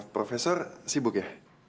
profesor sibuk ya